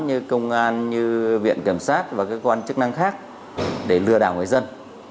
như công an như viện kiểm soát và các cơ quan chức năng khác để lừa đảo người dân